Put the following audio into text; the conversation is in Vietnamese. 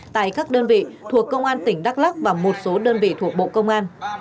tại các đơn vị thuộc công an tỉnh đắk lắc và một số đơn vị thuộc bộ công an